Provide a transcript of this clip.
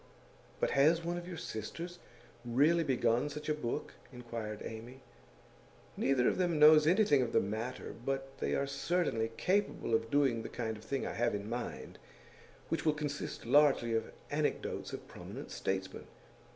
'But has one of your sisters really begun such a book?' inquired Amy. 'Neither of them knows anything of the matter, but they are certainly capable of doing the kind of thing I have in mind, which will consist largely of anecdotes of prominent statesmen.